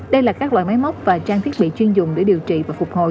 đây là các loại máy móc và trang thiết bị chuyên dùng để điều trị và phục hồi